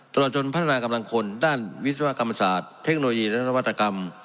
ตลอดจนพัฒนากำลังคนด้านวิศวกรรมศาสตร์เทคโนโลยีและนวัตกรรม